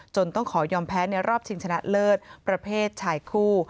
ต้องขอยอมแพ้ในรอบชิงชนะเลิศประเภทชายคู่